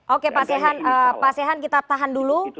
oke pak sehan kita tahan dulu